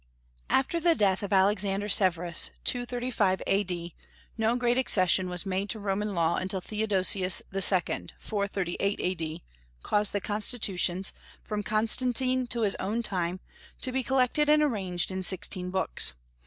After the death of Alexander Severus, 235 A.D., no great accession was made to Roman law until Theodosius II., 438 A.D., caused the constitutions, from Constantine to his own time, to be collected and arranged in sixteen books.